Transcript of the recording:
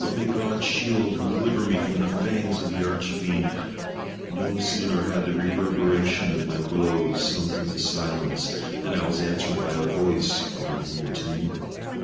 But may God shield and deliver me from the fangs of the Arch Fiend! No sooner had the reverberation of my blows sunk into silence, than I was answered by a voice from within the tomb!